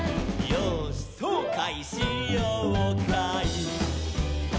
「よーしそうかいしようかい」